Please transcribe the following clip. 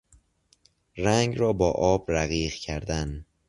رنگ را با آب رقیق کردن